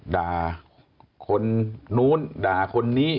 ด่าคนนู้นด่าคนนี้